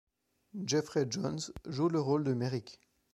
Jeffrey Jones joue le rôle de Merrick.